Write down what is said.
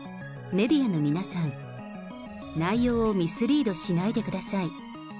メディアの皆さん、内容をミスリードしないでください。